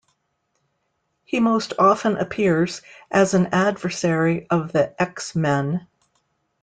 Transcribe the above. He most often appears as an adversary of the X-Men.